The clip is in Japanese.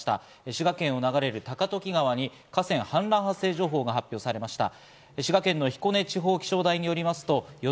滋賀県を流れる高時川に河川氾濫発生情報が発表されました。